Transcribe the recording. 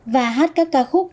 và hát các ca khúc